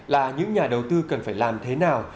là những nhà đầu tư cần phải làm thế nào